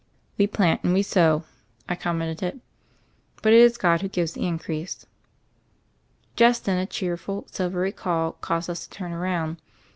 "We plant and we sow," I commented, "but it is God who gives the increase." Just then, a cheerful, silvery call caused us to turn round.